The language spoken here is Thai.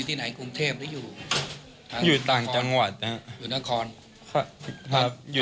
ใช่ครับอยู่ต่างจังหวัดนะครับ